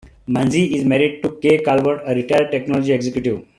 Manzi is married to Kay Calvert, a retired technology executive.